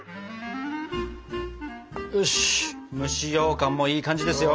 よし蒸しようかんもいい感じですよ！